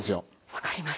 分かります。